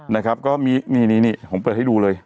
นะครับก็มีนี่ผมเปิดให้ดูเลย